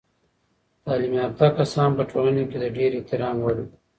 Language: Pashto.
تعلیم یافته کسان په ټولنه کې د ډیر احترام وړ وي.